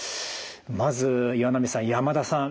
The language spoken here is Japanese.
まず岩波さん山田さん